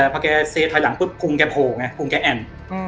พอแกเซถอยหลังปุ๊บพุงแกโผล่ไงพุงแกแอ่น